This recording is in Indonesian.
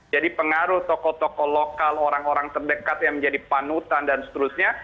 jadi pengaruh toko toko lokal orang orang terdekat yang menjadi panutan dan seterusnya